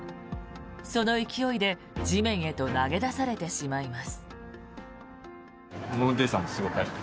その勢いで地面へと投げ出されてしまいます。